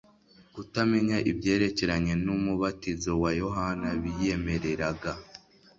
Kutamenya ibyerekeranye n'umubatizo wa Yohana biyemereraga,